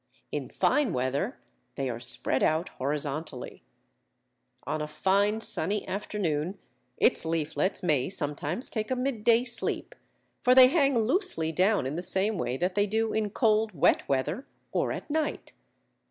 In fine weather they are spread out horizontally. On a fine sunny afternoon its leaflets may sometimes take a mid day sleep, for they hang loosely down in the same way that they do in cold, wet weather or at night.